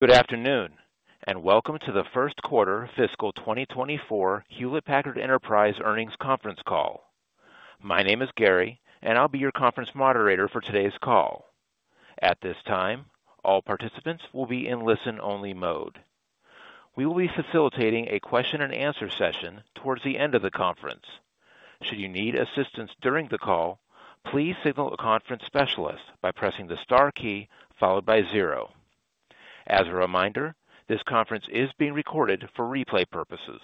Good afternoon and welcome to the first quarter fiscal 2024 Hewlett Packard Enterprise Earnings Conference Call. My name is Gary, and I'll be your conference moderator for today's call. At this time, all participants will be in listen-only mode. We will be facilitating a question-and-answer session towards the end of the conference. Should you need assistance during the call, please signal a conference specialist by pressing the star key followed by 0. As a reminder, this conference is being recorded for replay purposes.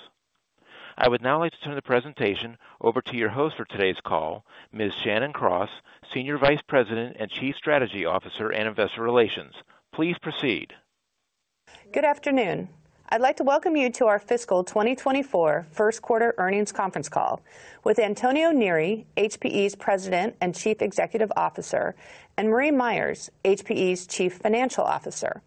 I would now like to turn the presentation over to your host for today's call, Ms. Shannon Cross, Senior Vice President and Chief Strategy Officer and Investor Relations. Please proceed. Good afternoon. I'd like to welcome you to our fiscal 2024 first quarter earnings conference call with Antonio Neri, HPE's President and Chief Executive Officer, and Marie Myers, HPE's Chief Financial Officer.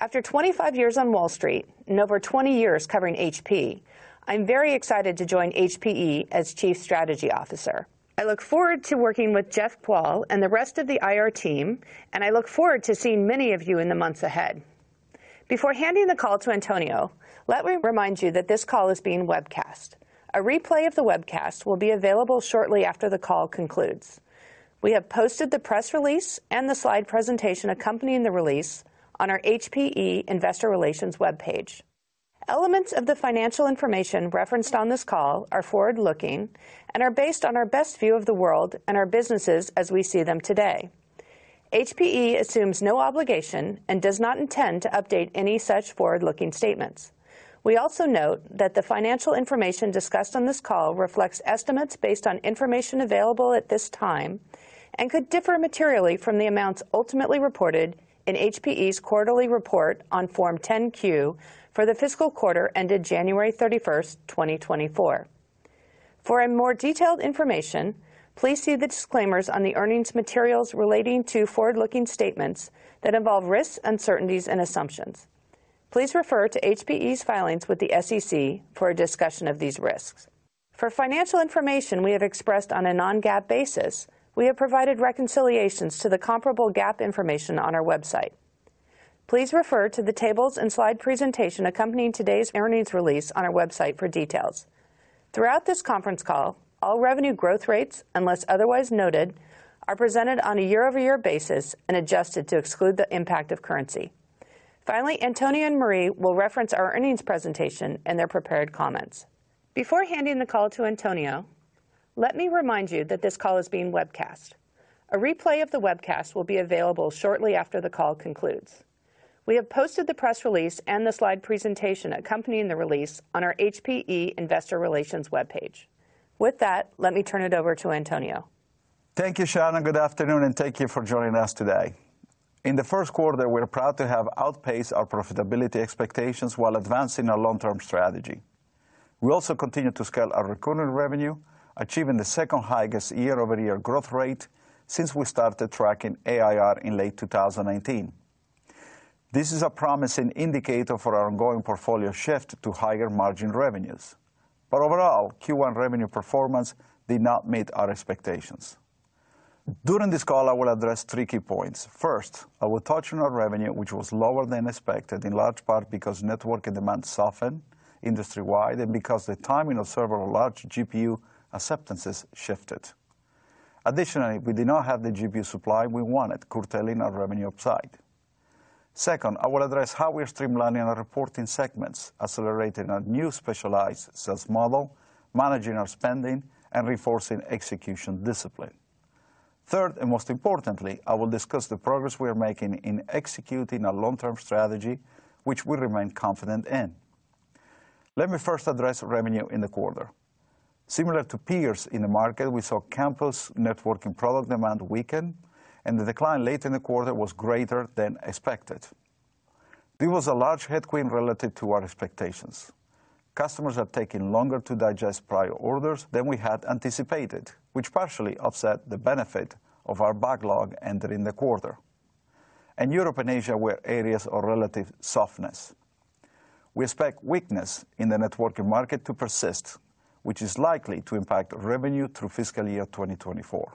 After 25 years on Wall Street and over 20 years covering HP, I'm very excited to join HPE as Chief Strategy Officer. I look forward to working with Jeff Kvaal and the rest of the IR team, and I look forward to seeing many of you in the months ahead. Before handing the call to Antonio, let me remind you that this call is being webcast. A replay of the webcast will be available shortly after the call concludes. We have posted the press release and the slide presentation accompanying the release on our HPE Investor Relations web page. Elements of the financial information referenced on this call are forward-looking and are based on our best view of the world and our businesses as we see them today. HPE assumes no obligation and does not intend to update any such forward-looking statements. We also note that the financial information discussed on this call reflects estimates based on information available at this time and could differ materially from the amounts ultimately reported in HPE's quarterly report on Form 10-Q for the fiscal quarter ended January 31, 2024. For more detailed information, please see the disclaimers on the earnings materials relating to forward-looking statements that involve risks, uncertainties, and assumptions. Please refer to HPE's filings with the SEC for a discussion of these risks. For financial information we have expressed on a Non-GAAP basis, we have provided reconciliations to the comparable GAAP information on our website. Please refer to the tables and slide presentation accompanying today's earnings release on our website for details. Throughout this conference call, all revenue growth rates, unless otherwise noted, are presented on a year-over-year basis and adjusted to exclude the impact of currency. Finally, Antonio and Marie will reference our earnings presentation and their prepared comments. Before handing the call to Antonio, let me remind you that this call is being webcast. A replay of the webcast will be available shortly after the call concludes. We have posted the press release and the slide presentation accompanying the release on our HPE Investor Relations web page. With that, let me turn it over to Antonio. Thank you, Shannon. Good afternoon, and thank you for joining us today. In the first quarter, we're proud to have outpaced our profitability expectations while advancing our long-term strategy. We also continue to scale our recurring revenue, achieving the second-highest year-over-year growth rate since we started tracking ARR in late 2019. This is a promising indicator for our ongoing portfolio shift to higher margin revenues, but overall, Q1 revenue performance did not meet our expectations. During this call, I will address three key points. First, I will touch on our revenue, which was lower than expected in large part because networking demand softened industry-wide and because the timing of several large GPU acceptances shifted. Additionally, we did not have the GPU supply we wanted, curtailing our revenue upside. Second, I will address how we're streamlining our reporting segments, accelerating our new specialized sales model, managing our spending, and reinforcing execution discipline. Third, and most importantly, I will discuss the progress we are making in executing our long-term strategy, which we remain confident in. Let me first address revenue in the quarter. Similar to peers in the market, we saw campus networking product demand weaken, and the decline later in the quarter was greater than expected. There was a large headwind relative to our expectations. Customers are taking longer to digest prior orders than we had anticipated, which partially offset the benefit of our backlog ending in the quarter. Europe and Asia were areas of relative softness. We expect weakness in the networking market to persist, which is likely to impact revenue through fiscal year 2024.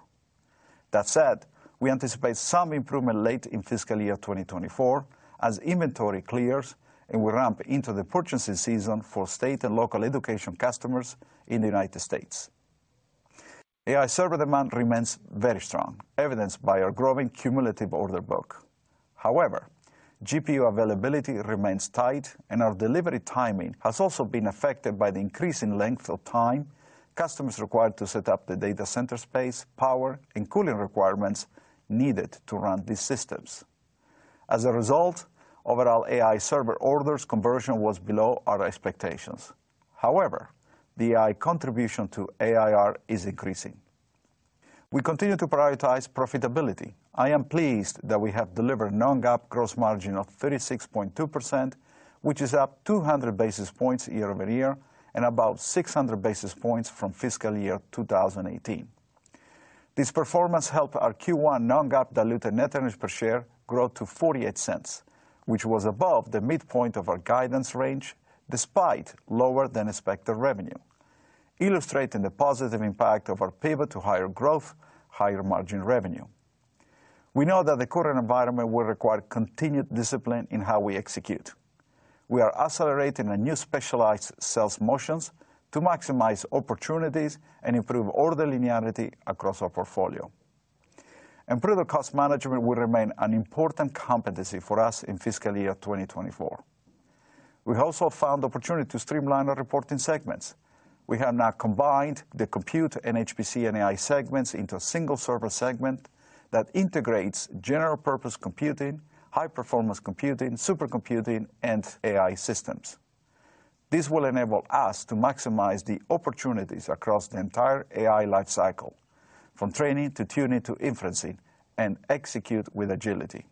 That said, we anticipate some improvement late in fiscal year 2024 as inventory clears and we ramp into the purchasing season for state and local education customers in the United States. AI server demand remains very strong, evidenced by our growing cumulative order book. However, GPU availability remains tight, and our delivery timing has also been affected by the increasing length of time customers required to set up the data center space, power, and cooling requirements needed to run these systems. As a result, overall AI server orders conversion was below our expectations. However, the AI contribution to ARR is increasing. We continue to prioritize profitability. I am pleased that we have delivered a non-GAAP gross margin of 36.2%, which is up 200 basis points year-over-year and about 600 basis points from fiscal year 2018. This performance helped our Q1 Non-GAAP diluted net earnings per share grow to $0.48, which was above the midpoint of our guidance range despite lower-than-expected revenue, illustrating the positive impact of our pivot to higher growth, higher margin revenue. We know that the current environment will require continued discipline in how we execute. We are accelerating our new specialized sales motions to maximize opportunities and improve order linearity across our portfolio. Improved cost management will remain an important competency for us in fiscal year 2024. We also found the opportunity to streamline our reporting segments. We have now combined the compute and HPC and AI segments into a single server segment that integrates general-purpose computing, high-performance computing, supercomputing, and AI systems. This will enable us to maximize the opportunities across the entire AI lifecycle, from training to tuning to inferencing, and execute with agility.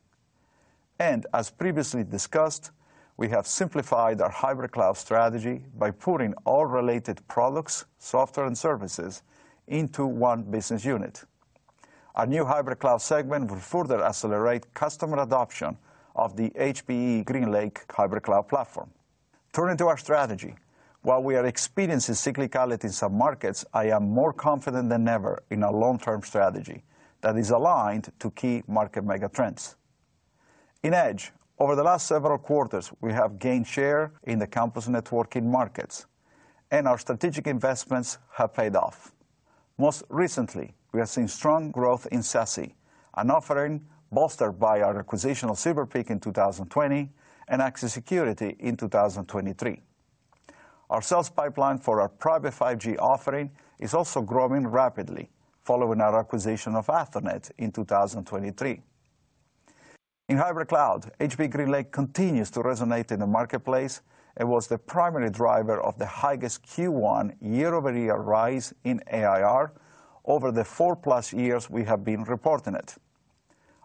As previously discussed, we have simplified our hybrid cloud strategy by putting all related products, software, and services into one business unit. Our new hybrid cloud segment will further accelerate customer adoption of the HPE GreenLake hybrid cloud platform. Turning to our strategy, while we are experiencing cyclicality in some markets, I am more confident than ever in a long-term strategy that is aligned to key market megatrends. In edge, over the last several quarters, we have gained share in the campus networking markets, and our strategic investments have paid off. Most recently, we have seen strong growth in SASE, an offering bolstered by our acquisition of Silver Peak in 2020 and Axis Security in 2023. Our sales pipeline for our private 5G offering is also growing rapidly, following our acquisition of Athonet in 2023. In hybrid cloud, HPE GreenLake continues to resonate in the marketplace and was the primary driver of the highest Q1 year-over-year rise in ARR over the four-plus years we have been reporting it.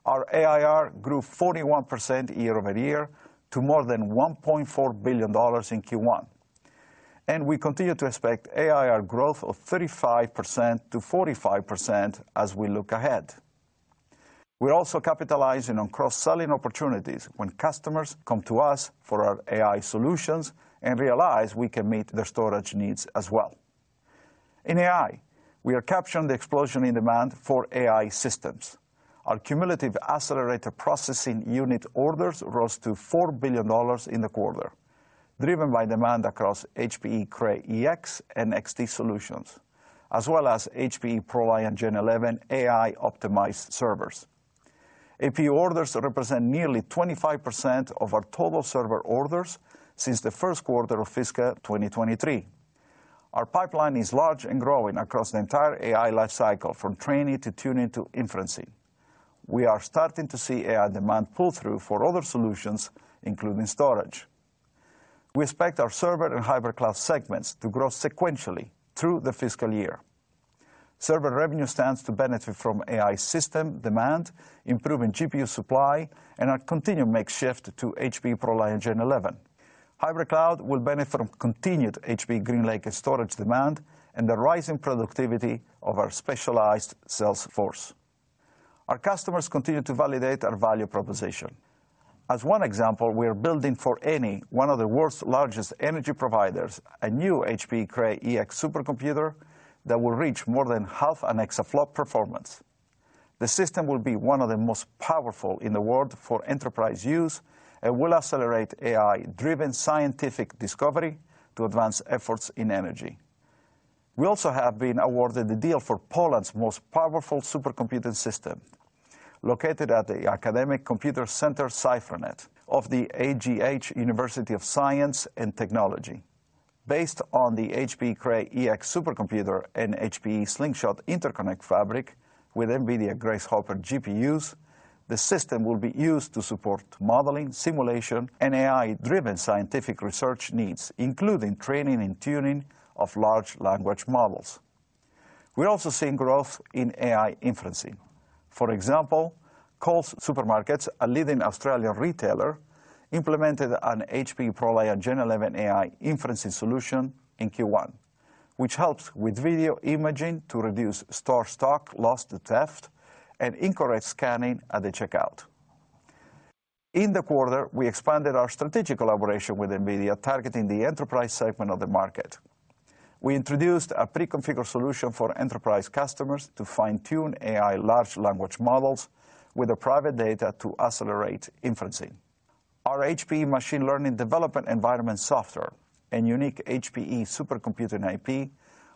Our ARR grew 41% year-over-year to more than $1.4 billion in Q1, and we continue to expect ARR growth of 35%-45% as we look ahead. We're also capitalizing on cross-selling opportunities when customers come to us for our AI solutions and realize we can meet their storage needs as well. In AI, we are capturing the explosion in demand for AI systems. Our cumulative Accelerated Processing Unit orders rose to $4 billion in the quarter, driven by demand across HPE Cray EX and XD solutions, as well as HPE ProLiant Gen11 AI-optimized servers. HPC orders represent nearly 25% of our total server orders since the first quarter of fiscal 2023. Our pipeline is large and growing across the entire AI lifecycle, from training to tuning to inferencing. We are starting to see AI demand pull through for other solutions, including storage. We expect our server and hybrid cloud segments to grow sequentially through the fiscal year. Server revenue stands to benefit from AI system demand, improving GPU supply, and our continued migration to HPE ProLiant Gen11. Hybrid cloud will benefit from continued HPE GreenLake storage demand and the rising productivity of our specialized sales force. Our customers continue to validate our value proposition. As one example, we are building for Eni, one of the world's largest energy providers, a new HPE Cray EX supercomputer that will reach more than 0.5 exaflop performance. The system will be one of the most powerful in the world for enterprise use and will accelerate AI-driven scientific discovery to advance efforts in energy. We also have been awarded the deal for Poland's most powerful supercomputing system, located at the Academic Computer Centre Cyfronet of the AGH University of Science and Technology. Based on the HPE Cray EX supercomputer and HPE Slingshot interconnect fabric with NVIDIA Grace Hopper GPUs, the system will be used to support modeling, simulation, and AI-driven scientific research needs, including training and tuning of large language models. We're also seeing growth in AI inferencing. For example, Coles supermarkets, a leading Australian retailer, implemented an HPE ProLiant Gen11 AI inferencing solution in Q1, which helps with video imaging to reduce store stock loss to theft and incorrect scanning at the checkout. In the quarter, we expanded our strategic collaboration with NVIDIA, targeting the enterprise segment of the market. We introduced a preconfigured solution for enterprise customers to fine-tune AI large language models with the private data to accelerate inferencing. Our HPE Machine Learning Development Environment software and unique HPE supercomputing IP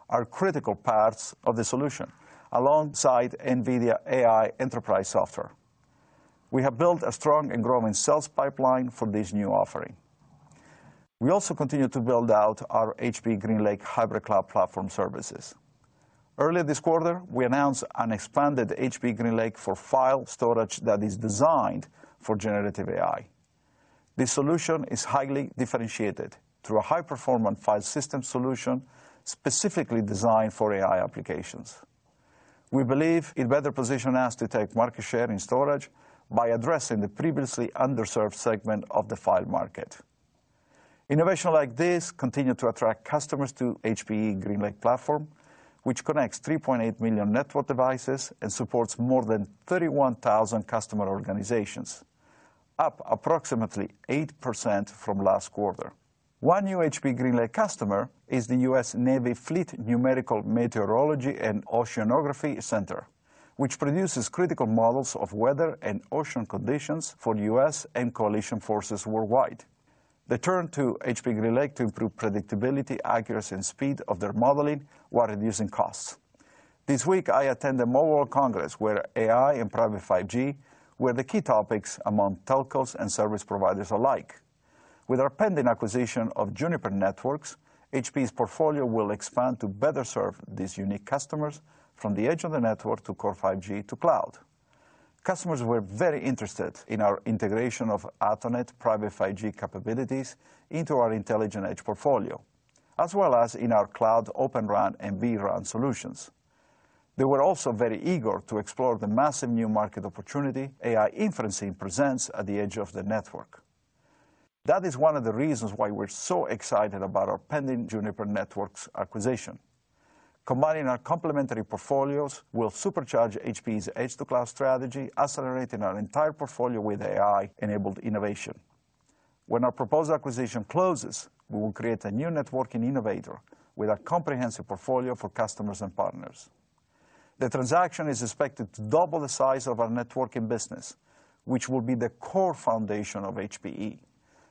are critical parts of the solution, alongside NVIDIA AI Enterprise software. We have built a strong and growing sales pipeline for this new offering. We also continue to build out our HPE GreenLake hybrid cloud platform services. Earlier this quarter, we announced an expanded HPE GreenLake for File Storage that is designed for generative AI. This solution is highly differentiated through a high-performance file system solution specifically designed for AI applications. We believe it better positions us to take market share in storage by addressing the previously underserved segment of the file market. Innovation like this continues to attract customers to HPE GreenLake platform, which connects 3.8 million network devices and supports more than 31,000 customer organizations, up approximately 8% from last quarter. One new HPE GreenLake customer is the U.S. Navy Fleet Numerical Meteorology and Oceanography Center, which produces critical models of weather and ocean conditions for the U.S. and coalition forces worldwide. They turned to HPE GreenLake to improve predictability, accuracy, and speed of their modeling while reducing costs. This week, I attended Mobile World Congress, where AI and private 5G were the key topics among telcos and service providers alike. With our pending acquisition of Juniper Networks, HPE's portfolio will expand to better serve these unique customers from the edge of the network to core 5G to cloud. Customers were very interested in our integration of Athonet private 5G capabilities into our intelligent edge portfolio, as well as in our cloud Open RAN and vRAN solutions. They were also very eager to explore the massive new market opportunity AI inferencing presents at the edge of the network. That is one of the reasons why we're so excited about our pending Juniper Networks acquisition. Combining our complementary portfolios will supercharge HPE's edge-to-cloud strategy, accelerating our entire portfolio with AI-enabled innovation. When our proposed acquisition closes, we will create a new networking innovator with a comprehensive portfolio for customers and partners. The transaction is expected to double the size of our networking business, which will be the core foundation of HPE,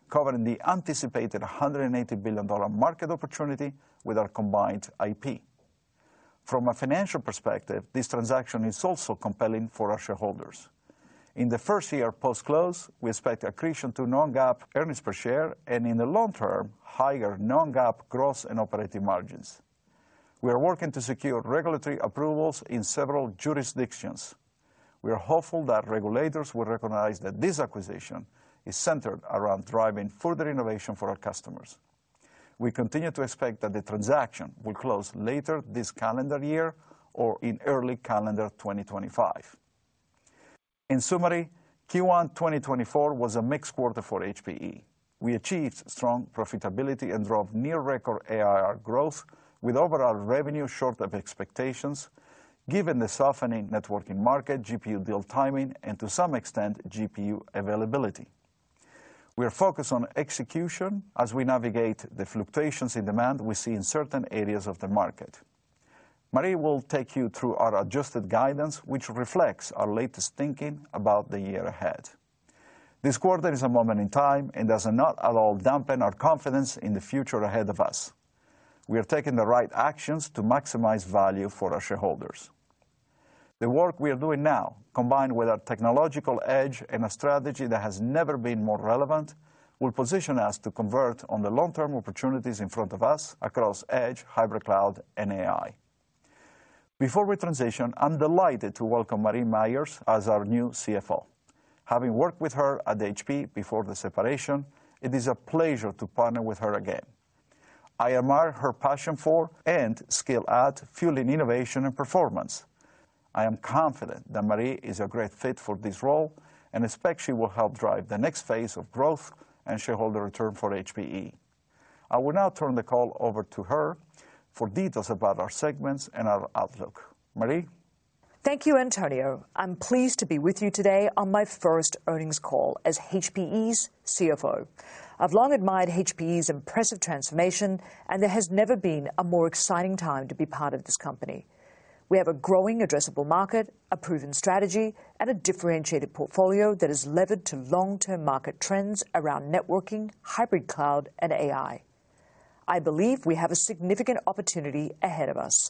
covering the anticipated $180 billion market opportunity with our combined IP. From a financial perspective, this transaction is also compelling for our shareholders. In the first year post-close, we expect accretion to Non-GAAP earnings per share and, in the long term, higher Non-GAAP gross and operating margins. We are working to secure regulatory approvals in several jurisdictions. We are hopeful that regulators will recognize that this acquisition is centered around driving further innovation for our customers. We continue to expect that the transaction will close later this calendar year or in early calendar 2025. In summary, Q1 2024 was a mixed quarter for HPE. We achieved strong profitability and drove near-record ARR growth with overall revenue short of expectations, given the softening networking market, GPU deal timing, and to some extent, GPU availability. We are focused on execution as we navigate the fluctuations in demand we see in certain areas of the market. Marie will take you through our adjusted guidance, which reflects our latest thinking about the year ahead. This quarter is a moment in time and does not at all dampen our confidence in the future ahead of us. We are taking the right actions to maximize value for our shareholders. The work we are doing now, combined with our technological edge and a strategy that has never been more relevant, will position us to convert on the long-term opportunities in front of us across edge, hybrid cloud, and AI. Before we transition, I'm delighted to welcome Marie Myers as our new CFO. Having worked with her at HPE before the separation, it is a pleasure to partner with her again. I admire her passion for and skill at fueling innovation and performance. I am confident that Marie is a great fit for this role, and I expect she will help drive the next phase of growth and shareholder return for HPE. I will now turn the call over to her for details about our segments and our outlook. Marie? Thank you, Antonio. I'm pleased to be with you today on my first earnings call as HPE's CFO. I've long admired HPE's impressive transformation, and there has never been a more exciting time to be part of this company. We have a growing addressable market, a proven strategy, and a differentiated portfolio that is levered to long-term market trends around networking, hybrid cloud, and AI. I believe we have a significant opportunity ahead of us.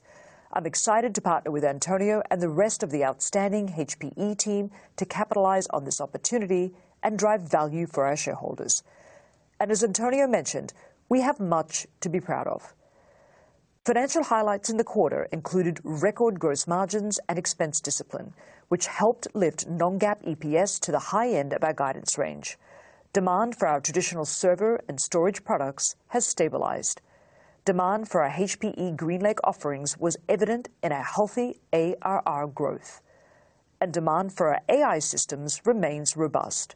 I'm excited to partner with Antonio and the rest of the outstanding HPE team to capitalize on this opportunity and drive value for our shareholders. And as Antonio mentioned, we have much to be proud of. Financial highlights in the quarter included record gross margins and expense discipline, which helped lift Non-GAAP EPS to the high end of our guidance range. Demand for our traditional server and storage products has stabilized. Demand for our HPE GreenLake offerings was evident in our healthy ARR growth. Demand for our AI systems remains robust.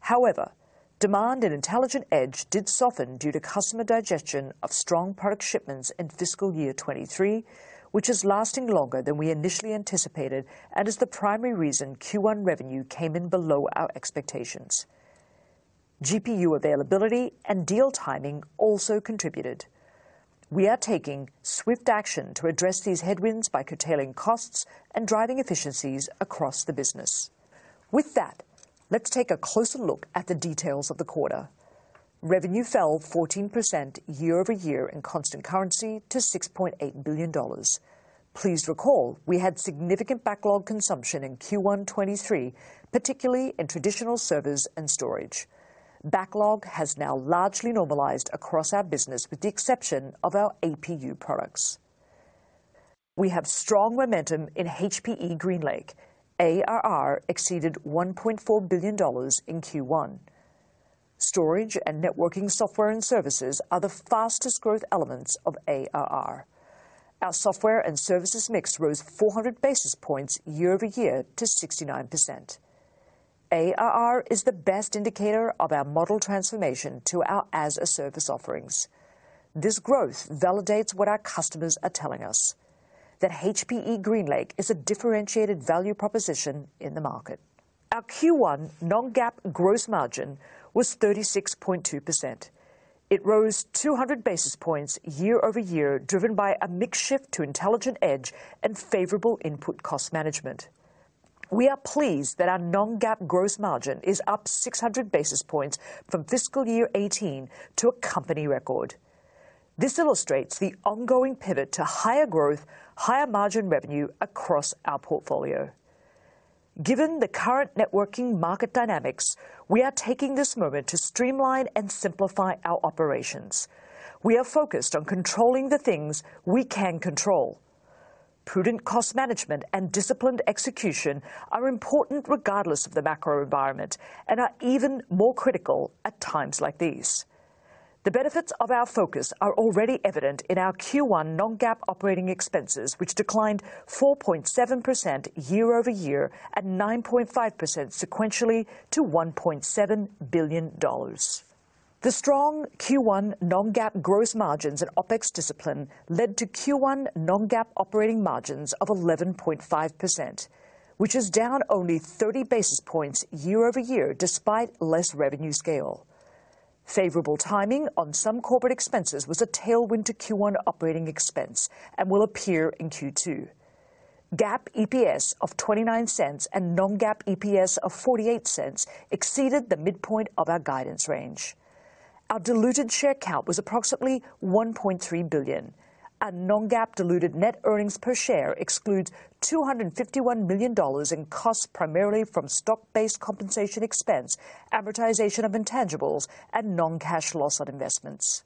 However, demand in intelligent edge did soften due to customer digestion of strong product shipments in fiscal year 2023, which is lasting longer than we initially anticipated and is the primary reason Q1 revenue came in below our expectations. GPU availability and deal timing also contributed. We are taking swift action to address these headwinds by curtailing costs and driving efficiencies across the business. With that, let's take a closer look at the details of the quarter. Revenue fell 14% year-over-year in constant currency to $6.8 billion. Please recall we had significant backlog consumption in Q1 2023, particularly in traditional servers and storage. Backlog has now largely normalized across our business, with the exception of our HPC products. We have strong momentum in HPE GreenLake. ARR exceeded $1.4 billion in Q1. Storage and networking software and services are the fastest growth elements of ARR. Our software and services mix rose 400 basis points year-over-year to 69%. ARR is the best indicator of our model transformation to our as-a-service offerings. This growth validates what our customers are telling us: that HPE GreenLake is a differentiated value proposition in the market. Our Q1 non-GAAP gross margin was 36.2%. It rose 200 basis points year-over-year, driven by a mix shift to intelligent edge and favorable input cost management. We are pleased that our non-GAAP gross margin is up 600 basis points from fiscal year 2018 to a company record. This illustrates the ongoing pivot to higher growth, higher margin revenue across our portfolio. Given the current networking market dynamics, we are taking this moment to streamline and simplify our operations. We are focused on controlling the things we can control. Prudent cost management and disciplined execution are important regardless of the macro environment and are even more critical at times like these. The benefits of our focus are already evident in our Q1 non-GAAP operating expenses, which declined 4.7% year-over-year and 9.5% sequentially to $1.7 billion. The strong Q1 non-GAAP gross margins and OPEX discipline led to Q1 non-GAAP operating margins of 11.5%, which is down only 30 basis points year-over-year despite less revenue scale. Favorable timing on some corporate expenses was a tailwind to Q1 operating expense and will appear in Q2. GAAP EPS of $0.29 and non-GAAP EPS of $0.48 exceeded the midpoint of our guidance range. Our diluted share count was approximately 1.3 billion. Our non-GAAP diluted net earnings per share excludes $251 million in costs primarily from stock-based compensation expense, amortization of intangibles, and non-cash loss on investments.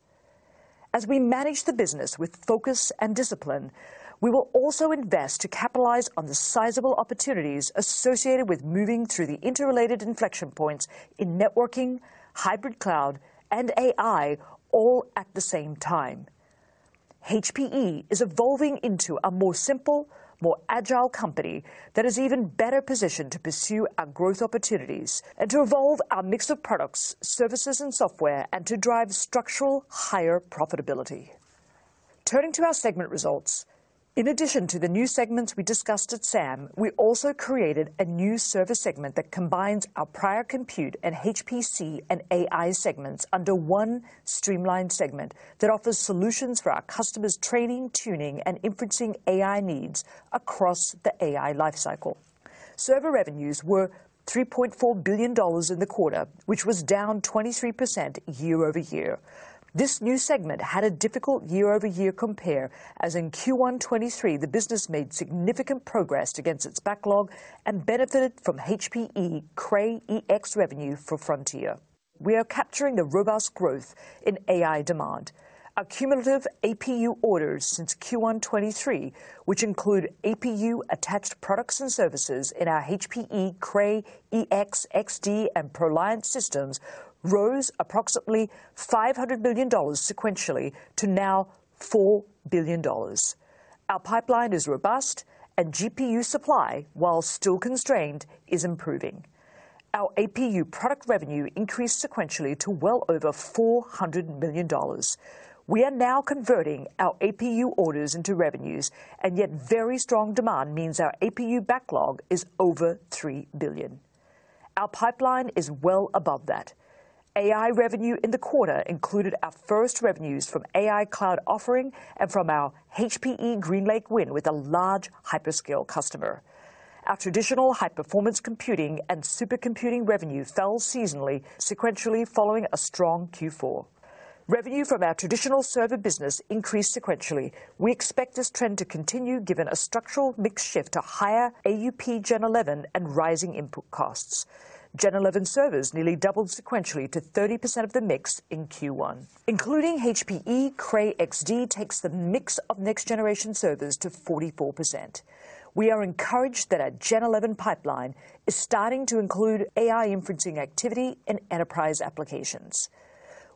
As we manage the business with focus and discipline, we will also invest to capitalize on the sizable opportunities associated with moving through the interrelated inflection points in networking, hybrid cloud, and AI all at the same time. HPE is evolving into a more simple, more agile company that is even better positioned to pursue our growth opportunities and to evolve our mix of products, services, and software and to drive structural higher profitability. Turning to our segment results: In addition to the new segments we discussed at SAM, we also created a new Server segment that combines our prior compute and HPC and AI segments under one streamlined segment that offers solutions for our customers' training, tuning, and inferencing AI needs across the AI lifecycle. Server revenues were $3.4 billion in the quarter, which was down 23% year-over-year. This new segment had a difficult year-over-year compare as in Q1 2023 the business made significant progress against its backlog and benefited from HPE Cray EX revenue for Frontier. We are capturing the robust growth in AI demand. Our cumulative HPC orders since Q1 2023, which include HPC-attached products and services in our HPE Cray EX, XD, and ProLiant systems, rose approximately $500 million sequentially to now $4 billion. Our pipeline is robust, and GPU supply, while still constrained, is improving. Our HPC product revenue increased sequentially to well over $400 million. We are now converting our HPC orders into revenues, and yet very strong demand means our HPC backlog is over $3 billion. Our pipeline is well above that. AI revenue in the quarter included our first revenues from AI cloud offering and from our HPE GreenLake win with a large hyperscale customer. Our traditional high-performance computing and supercomputing revenue fell seasonally, sequentially following a strong Q4. Revenue from our traditional server business increased sequentially. We expect this trend to continue given a structural mix shift to higher-end Gen11 and rising input costs. Gen11 servers nearly doubled sequentially to 30% of the mix in Q1. Including HPE Cray XD takes the mix of next-generation servers to 44%. We are encouraged that our Gen11 pipeline is starting to include AI inferencing activity in enterprise applications.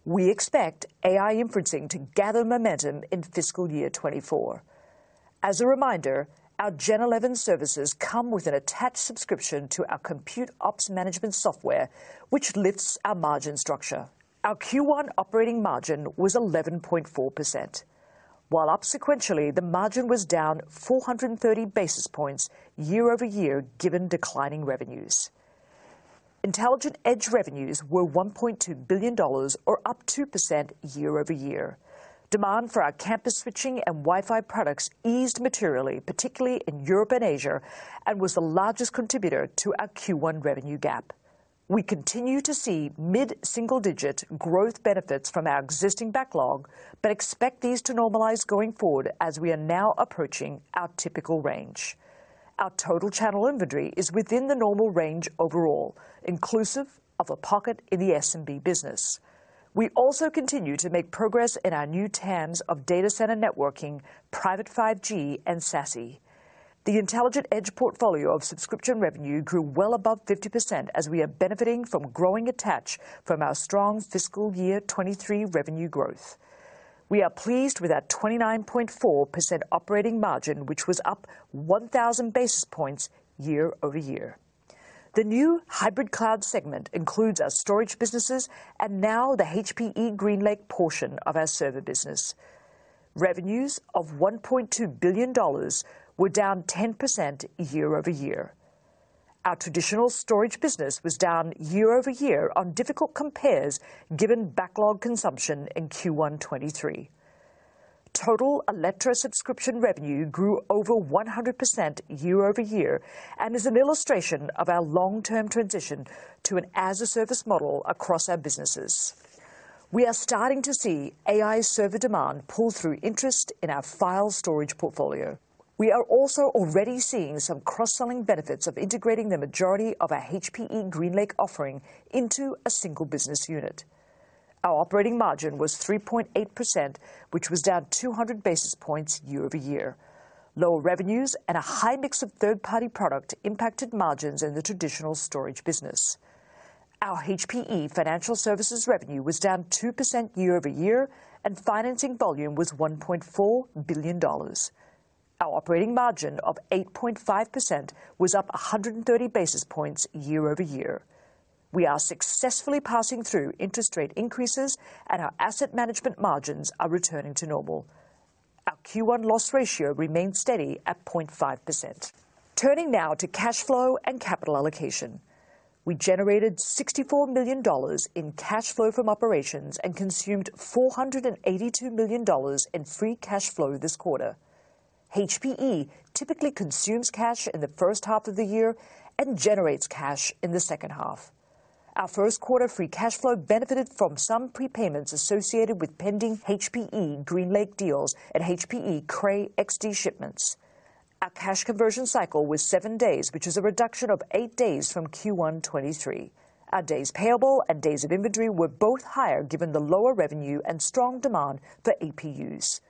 We expect AI inferencing to gather momentum in fiscal year 2024. As a reminder, our Gen11 servers come with an attached subscription to our Compute Ops Management software, which lifts our margin structure. Our Q1 operating margin was 11.4%, while up sequentially the margin was down 430 basis points year-over-year given declining revenues. Intelligent edge revenues were $1.2 billion, or up 2% year-over-year. Demand for our campus switching and Wi-Fi products eased materially, particularly in Europe and Asia, and was the largest contributor to our Q1 revenue gap. We continue to see mid-single-digit growth benefits from our existing backlog, but expect these to normalize going forward as we are now approaching our typical range. Our total channel inventory is within the normal range overall, inclusive of a pocket in the SMB business. We also continue to make progress in our new TAMs of data center networking, private 5G, and SASE. The intelligent edge portfolio of subscription revenue grew well above 50% as we are benefiting from growing attach from our strong fiscal year 2023 revenue growth. We are pleased with our 29.4% operating margin, which was up 1,000 basis points year-over-year. The new hybrid cloud segment includes our storage businesses and now the HPE GreenLake portion of our server business. Revenues of $1.2 billion were down 10% year-over-year. Our traditional storage business was down year-over-year on difficult compares given backlog consumption in Q1 2023. Total Alletra subscription revenue grew over 100% year-over-year and is an illustration of our long-term transition to an as-a-service model across our businesses. We are starting to see AI server demand pull through interest in our file storage portfolio. We are also already seeing some cross-selling benefits of integrating the majority of our HPE GreenLake offering into a single business unit. Our operating margin was 3.8%, which was down 200 basis points year-over-year. Lower revenues and a high mix of third-party product impacted margins in the traditional storage business. Our HPE Financial Services revenue was down 2% year-over-year, and financing volume was $1.4 billion. Our operating margin of 8.5% was up 130 basis points year-over-year. We are successfully passing through interest rate increases, and our asset management margins are returning to normal. Our Q1 loss ratio remained steady at 0.5%. Turning now to cash flow and capital allocation. We generated $64 million in cash flow from operations and consumed $482 million in free cash flow this quarter. HPE typically consumes cash in the first half of the year and generates cash in the second half. Our first quarter free cash flow benefited from some prepayments associated with pending HPE GreenLake deals and HPE Cray XD shipments. Our cash conversion cycle was 7 days, which is a reduction of 8 days from Q1 2023. Our days payable and days of inventory were both higher given the lower revenue and strong demand for HPCs.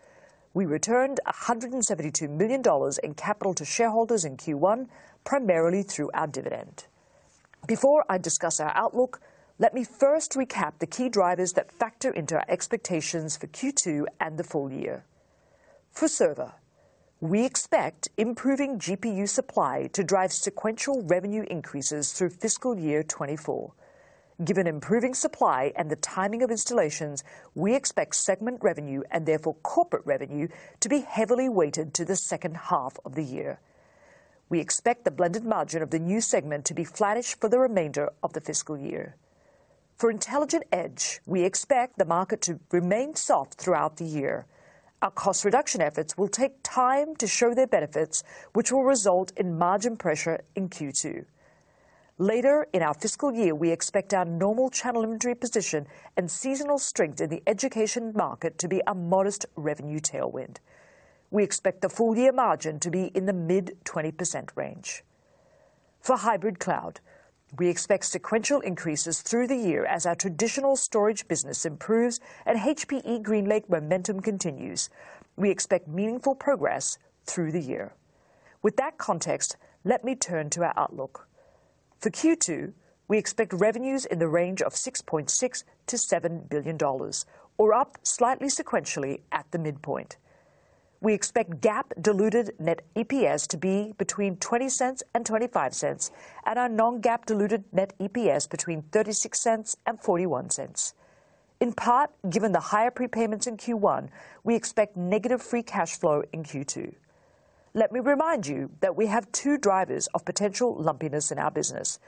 We returned $172 million in capital to shareholders in Q1, primarily through our dividend. Before I discuss our outlook, let me first recap the key drivers that factor into our expectations for Q2 and the full year. For server: We expect improving GPU supply to drive sequential revenue increases through fiscal year 2024. Given improving supply and the timing of installations, we expect segment revenue and therefore corporate revenue to be heavily weighted to the second half of the year. We expect the blended margin of the new segment to be flattish for the remainder of the fiscal year. For intelligent edge, we expect the market to remain soft throughout the year. Our cost reduction efforts will take time to show their benefits, which will result in margin pressure in Q2. Later in our fiscal year, we expect our normal channel inventory position and seasonal strength in the education market to be a modest revenue tailwind. We expect the full-year margin to be in the mid-20% range. For hybrid cloud: We expect sequential increases through the year as our traditional storage business improves and HPE GreenLake momentum continues. We expect meaningful progress through the year. With that context, let me turn to our outlook. For Q2, we expect revenues in the range of $6.6-$7 billion, or up slightly sequentially at the midpoint. We expect GAAP diluted net EPS to be between $0.20-$0.25, and our non-GAAP diluted net EPS between $0.36-$0.41. In part, given the higher prepayments in Q1, we expect negative free cash flow in Q2. Let me remind you that we have two drivers of potential lumpiness in our business.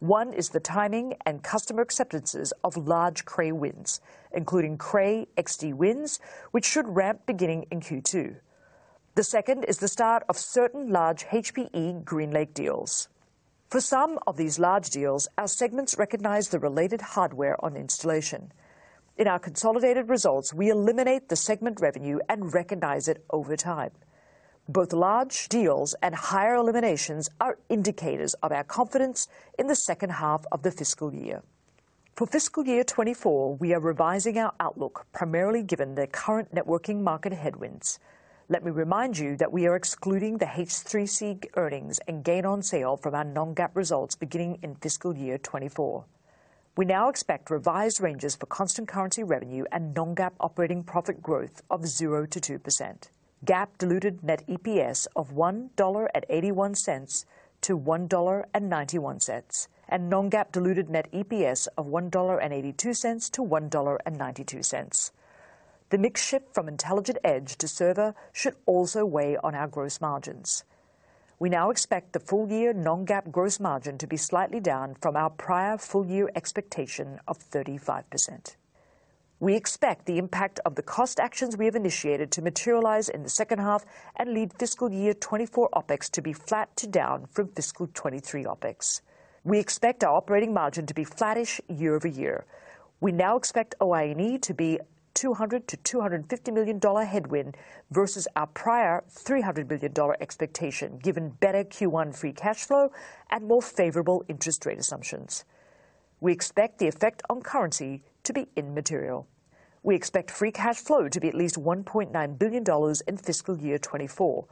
One is the timing and customer acceptances of large Cray wins, including Cray XD wins, which should ramp beginning in Q2. The second is the start of certain large HPE GreenLake deals. For some of these large deals, our segments recognize the related hardware on installation. In our consolidated results, we eliminate the segment revenue and recognize it over time. Both large deals and higher eliminations are indicators of our confidence in the second half of the fiscal year. For fiscal year 2024, we are revising our outlook primarily given the current networking market headwinds. Let me remind you that we are excluding the H3C earnings and gain-on-sale from our non-GAAP results beginning in fiscal year 2024. We now expect revised ranges for constant currency revenue and non-GAAP operating profit growth of 0%-2%, GAAP diluted net EPS of $1.81-$1.91, and non-GAAP diluted net EPS of $1.82-$1.92. The mix shift from intelligent edge to server should also weigh on our gross margins. We now expect the full-year non-GAAP gross margin to be slightly down from our prior full-year expectation of 35%. We expect the impact of the cost actions we have initiated to materialize in the second half and lead fiscal year 2024 OPEX to be flat to down from fiscal 2023 OPEX. We expect our operating margin to be flattish year-over-year. We now expect OI&E to be $200 million-$250 million headwind versus our prior $300 million expectation given better Q1 free cash flow and more favorable interest rate assumptions. We expect the effect on currency to be immaterial. We expect free cash flow to be at least $1.9 billion in fiscal year 2024.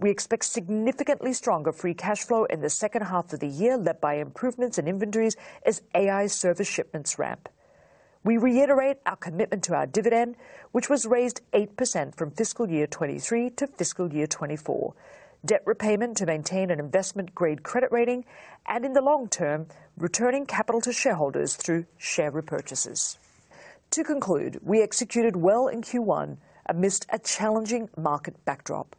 We expect significantly stronger free cash flow in the second half of the year led by improvements in inventories as AI server shipments ramp. We reiterate our commitment to our dividend, which was raised 8% from fiscal year 2023 to fiscal year 2024, debt repayment to maintain an investment-grade credit rating, and in the long term, returning capital to shareholders through share repurchases. To conclude, we executed well in Q1 amidst a challenging market backdrop.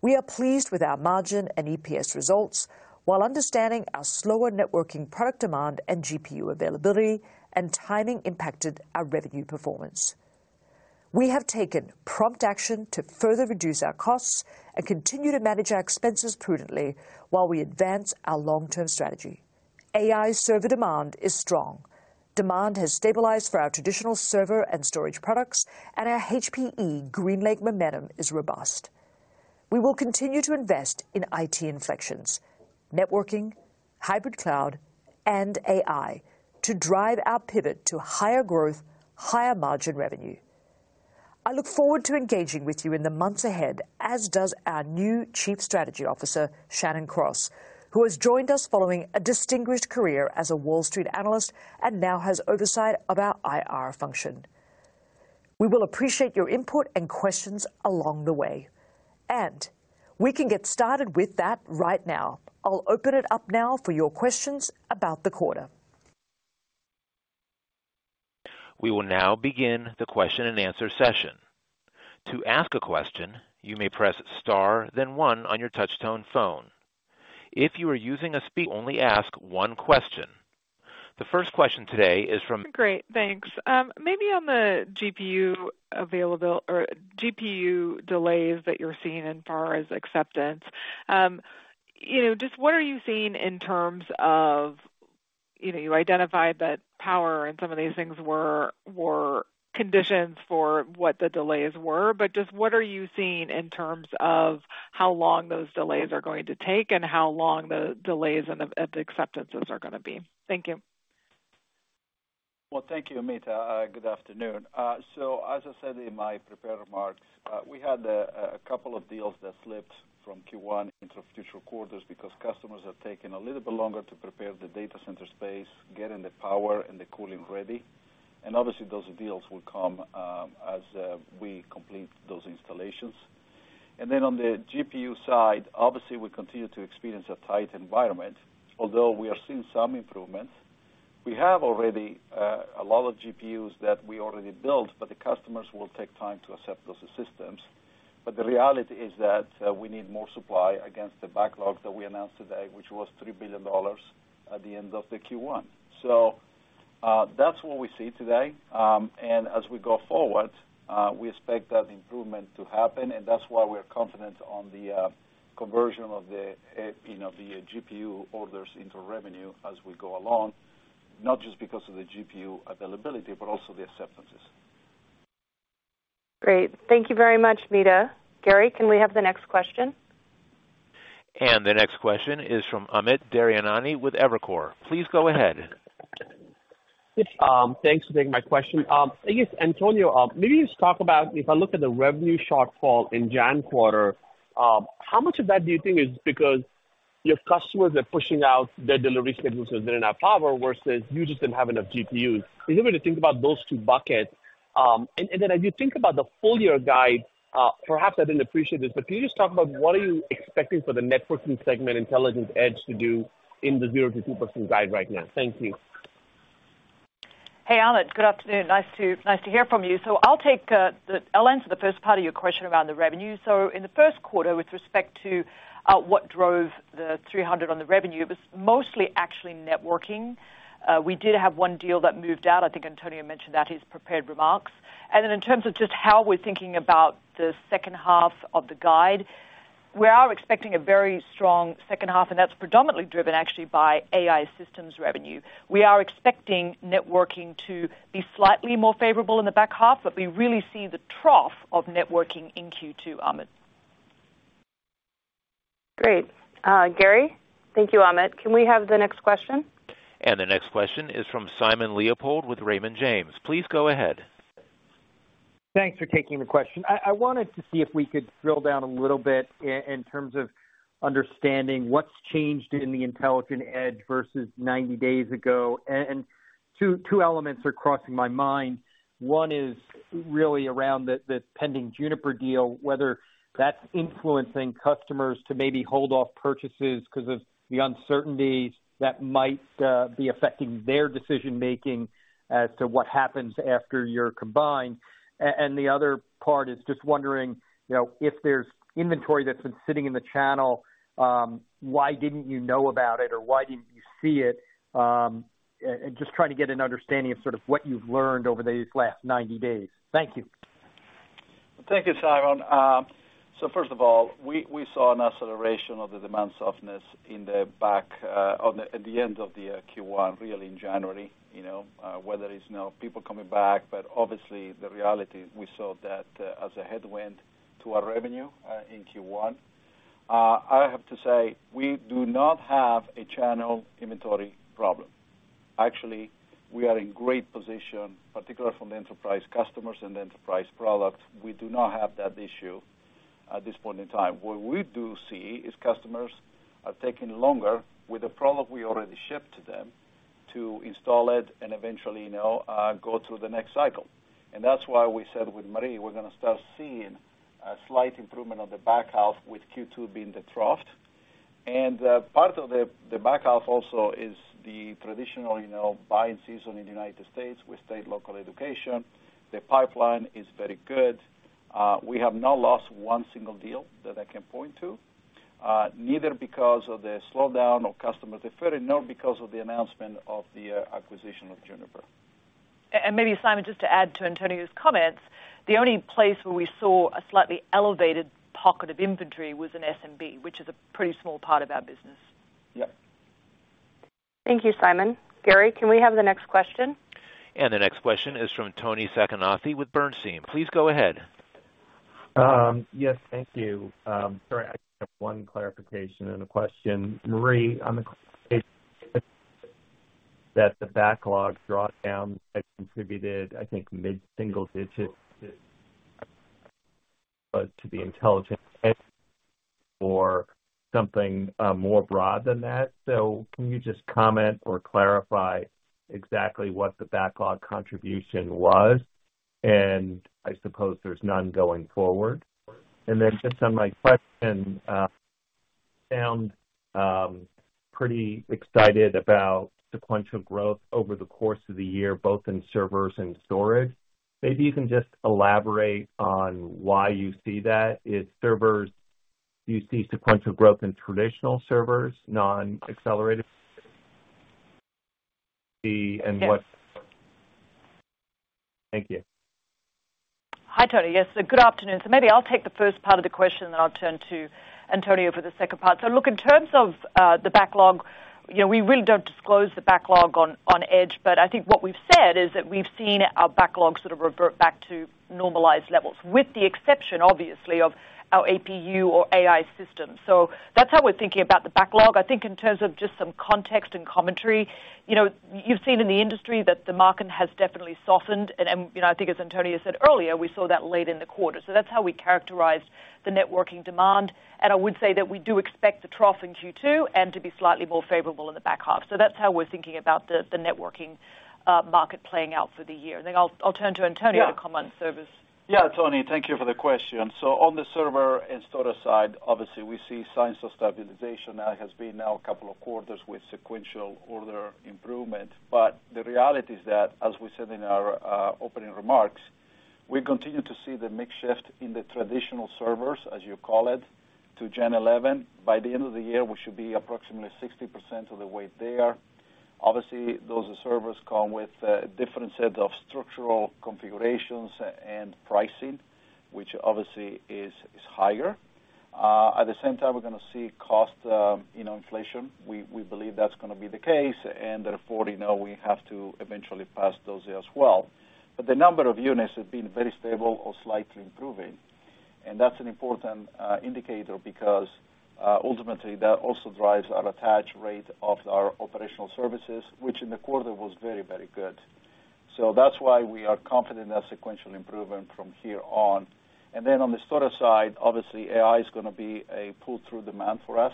We are pleased with our margin and EPS results, while understanding our slower networking product demand and GPU availability and timing impacted our revenue performance. We have taken prompt action to further reduce our costs and continue to manage our expenses prudently while we advance our long-term strategy. AI server demand is strong. Demand has stabilized for our traditional server and storage products, and our HPE GreenLake momentum is robust. We will continue to invest in IT inflections - networking, hybrid cloud, and AI - to drive our pivot to higher growth, higher margin revenue. I look forward to engaging with you in the months ahead, as does our new Chief Strategy Officer, Shannon Cross, who has joined us following a distinguished career as a Wall Street analyst and now has oversight of our IR function. We will appreciate your input and questions along the way. And - we can get started with that right now - I'll open it up now for your questions about the quarter. We will now begin the question-and-answer session. To ask a question, you may press STAR then 1 on your touch-tone phone. If you are using a speaker, only ask one question. The first question today is from. Great, thanks. Maybe on the GPU availability or GPU delays that you're seeing as far as acceptance. Just what are you seeing in terms of you identified that power and some of these things were conditions for what the delays were, but just what are you seeing in terms of how long those delays are going to take and how long the delays and the acceptances are going to be? Thank you. Well, thank you, Amit. Good afternoon. So, as I said in my prepared remarks, we had a couple of deals that slipped from Q1 into future quarters because customers are taking a little bit longer to prepare the data center space, getting the power and the cooling ready. And obviously, those deals will come as we complete those installations. And then on the GPU side, obviously, we continue to experience a tight environment, although we are seeing some improvements. We have already a lot of GPUs that we already built, but the customers will take time to accept those systems. But the reality is that we need more supply against the backlog that we announced today, which was $3 billion at the end of the Q1. So that's what we see today. And as we go forward, we expect that improvement to happen, and that's why we are confident on the conversion of the GPU orders into revenue as we go along, not just because of the GPU availability, but also the acceptances. Great. Thank you very much, Amit. Gary, can we have the next question? And the next question is from Amit Daryanani with Evercore. Please go ahead. Thanks for taking my question. Yes, Antonio, maybe just talk about if I look at the revenue shortfall in Jan quarter, how much of that do you think is because your customers are pushing out their delivery schedules because they don't have power versus you just didn't have enough GPUs? Is it going to think about those two buckets? And then as you think about the full-year guide, perhaps I didn't appreciate this, but can you just talk about what are you expecting for the networking segment, Intelligent Edge, to do in the 0%-2% guide right now? Thank you. Hey, Amit. Good afternoon. Nice to hear from you. So I'll take the I'll answer the first part of your question around the revenue. So in the first quarter, with respect to what drove the $300 million on the revenue, it was mostly actually networking. We did have one deal that moved out. I think Antonio mentioned that in his prepared remarks. Then in terms of just how we're thinking about the second half of the guide, we are expecting a very strong second half, and that's predominantly driven actually by AI systems revenue. We are expecting networking to be slightly more favorable in the back half, but we really see the trough of networking in Q2, Amit. Great. Gary, thank you, Amit. Can we have the next question? The next question is from Simon Leopold with Raymond James. Please go ahead. Thanks for taking the question. I wanted to see if we could drill down a little bit in terms of understanding what's changed in the intelligent edge versus 90 days ago. Two elements are crossing my mind. One is really around the pending Juniper deal, whether that's influencing customers to maybe hold off purchases because of the uncertainties that might be affecting their decision-making as to what happens after you're combined. And the other part is just wondering if there's inventory that's been sitting in the channel, why didn't you know about it or why didn't you see it? Just trying to get an understanding of sort of what you've learned over these last 90 days. Thank you. Thank you, Simon. So first of all, we saw an acceleration of the demand softness in the back at the end of the Q1, really in January, whether it's now people coming back. But obviously, the reality, we saw that as a headwind to our revenue in Q1. I have to say, we do not have a channel inventory problem. Actually, we are in great position, particularly from the enterprise customers and the enterprise product. We do not have that issue at this point in time. What we do see is customers are taking longer with a product we already shipped to them to install it and eventually go through the next cycle. And that's why we said with Marie, we're going to start seeing a slight improvement on the back half with Q2 being the trough. And part of the back half also is the traditional buying season in the United States with state-local education. The pipeline is very good. We have not lost one single deal that I can point to, neither because of the slowdown or customer deferral, nor because of the announcement of the acquisition of Juniper. And maybe, Simon, just to add to Antonio's comments, the only place where we saw a slightly elevated pocket of inventory was in SMB, which is a pretty small part of our business. Yep. Thank you, Simon. Gary, can we have the next question? And the next question is from Toni Sacconaghi with Bernstein. Please go ahead. Yes, thank you. Sorry, I just have one clarification and a question. Marie, on the clarification that the backlog drawdown had contributed, I think, mid-single digits to the intelligence edge or something more broad than that. So can you just comment or clarify exactly what the backlog contribution was? And I suppose there's none going forward. And then just on my question, I sound pretty excited about sequential growth over the course of the year, both in servers and storage. Maybe you can just elaborate on why you see that. Do you see sequential growth in traditional servers, non-accelerated? And what? Yes. Thank you. Hi, Toni. Yes, good afternoon. So maybe I'll take the first part of the question, then I'll turn to Antonio for the second part. So look, in terms of the backlog, we really don't disclose the backlog on edge, but I think what we've said is that we've seen our backlog sort of revert back to normalized levels, with the exception, obviously, of our HPC or AI systems. So that's how we're thinking about the backlog. I think in terms of just some context and commentary, you've seen in the industry that the market has definitely softened. And I think, as Antonio said earlier, we saw that late in the quarter. So that's how we characterized the networking demand. And I would say that we do expect the trough in Q2 and to be slightly more favorable in the back half. So that's how we're thinking about the networking market playing out for the year. And then I'll turn to Antonio to comment on servers. Yeah, Toni, thank you for the question. So on the server and storage side, obviously, we see signs of stabilization. That has been now a couple of quarters with sequential order improvement. But the reality is that, as we said in our opening remarks, we continue to see the mix shift in the traditional servers, as you call it, to Gen11. By the end of the year, we should be approximately 60% of the weight there. Obviously, those servers come with different sets of structural configurations and pricing, which obviously is higher. At the same time, we're going to see cost inflation. We believe that's going to be the case. And therefore, we have to eventually pass those as well. But the number of units has been very stable or slightly improving. And that's an important indicator because, ultimately, that also drives our attach rate of our operational services, which in the quarter was very, very good. So that's why we are confident in that sequential improvement from here on. And then on the storage side, obviously, AI is going to be a pull-through demand for us.